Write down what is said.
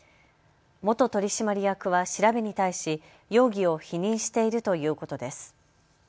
元取締役は調べに対し容疑を否認しているということです。